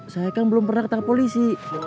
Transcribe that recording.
saya kan belum pernah ketangkap polisi